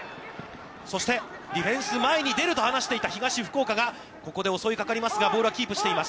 そして、ディフェンス前に出ると話していた東福岡がここで襲いかかりますが、ボールはキープしています。